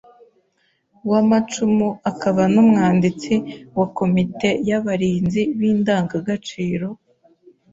w’amacumu akaba n’umwanditsi wa komite y’abarinzi b’indanga gaciro